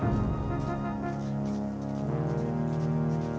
untuk mendapatkan pen mechanisme terhadaphoi dan hermenia